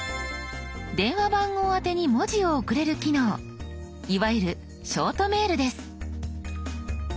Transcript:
電話番号宛てに文字を送れる機能いわゆるショートメールです。